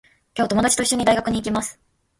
今日、ともだちといっしょに、大学に行きます。